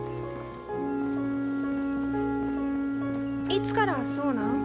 いつからそうなん？